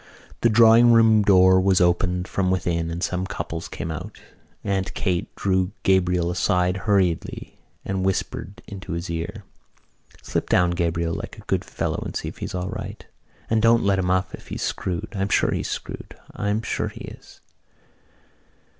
The drawing room door was opened from within and some couples came out. Aunt Kate drew Gabriel aside hurriedly and whispered into his ear: "Slip down, Gabriel, like a good fellow and see if he's all right, and don't let him up if he's screwed. I'm sure he's screwed. I'm sure he is."